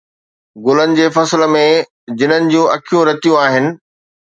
گلن جي فصل ۾، جنن جون اکيون رتيون آهن